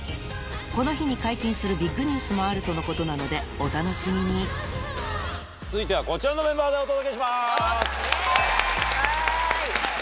この日に解禁するビッグニュースもあるとのことなのでお楽しみに続いてはこちらのメンバーでお届けします。